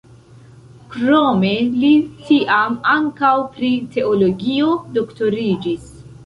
Krome li tiam ankaŭ pri teologio doktoriĝis.